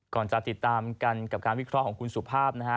ก่อนจะติดตามกันกับการวิเคราะห์ของคุณสุภาพนะฮะ